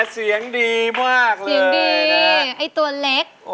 เสียงดีไอ้ตัวเล็ก